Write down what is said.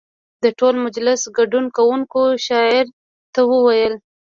د ټول مجلس ګډون کوونکو شاعر ته وویل.